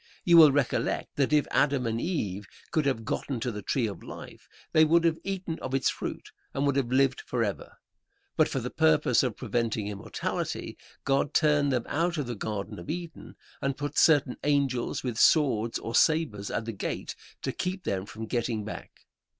You will recollect that if Adam and Eve could have gotten to the Tree of Life, they would have eaten of its fruit and would have lived forever; but for the purpose of preventing immortality God turned them out of the Garden of Eden, and put certain angels with swords or sabres at the gate to keep them from getting back.